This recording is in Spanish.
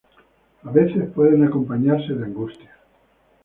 A veces pueden acompañarse de angustia.